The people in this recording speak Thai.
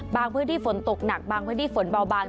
พื้นที่ฝนตกหนักบางพื้นที่ฝนเบาบาง